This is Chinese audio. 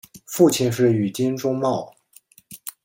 父亲是宇津忠茂。